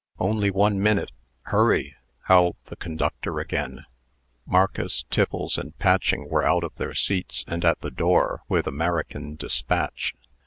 "Only one minute. Hurry!" howled the conductor again. Marcus, Tiffles, and Patching were out of their seats and at the door with American despatch.